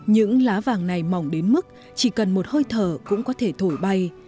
những lá vàng này mỏng đến mức chỉ cần một hơi thở cũng có thể thổi bay